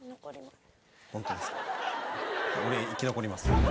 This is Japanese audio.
本当に、俺、生き残ります！